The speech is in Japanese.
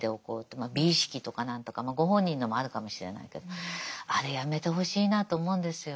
まあ美意識とか何とかご本人のもあるかもしれないけどあれやめてほしいなと思うんですよ。